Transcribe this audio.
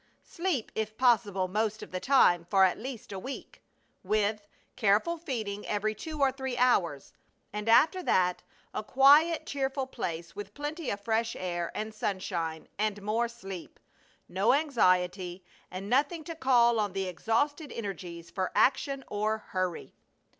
Sleep if possible most of the time for at least a week, with, careful feeding every two or three hours, and after that a quiet, cheerful place with plenty of fresh air and sunshine and more sleep; no anxiety, and nothing to call on the exhausted energies for action or hurry.